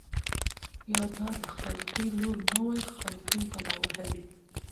يا دا د خلقي لـور نه وای خـلقۍ بلا وهـلې.